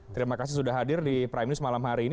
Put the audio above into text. terima kasih sudah hadir di prime news malam hari ini